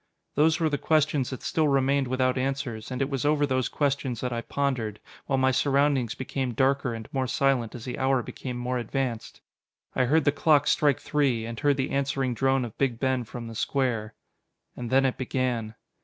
Those were the questions that still remained without answers: and it was over those questions that I pondered, while my surroundings became darker and more silent as the hour became more advanced. I heard the clock strike three, and heard the answering drone of Big Ben from the square. And then it began.